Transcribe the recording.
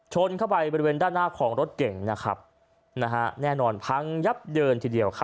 ชนเข้าไปบริเวณด้านหน้าของรถเก่งนะครับแน่นอนพังยับเยินทีเดียว